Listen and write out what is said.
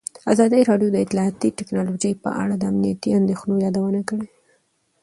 ازادي راډیو د اطلاعاتی تکنالوژي په اړه د امنیتي اندېښنو یادونه کړې.